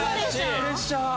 プレッシャー！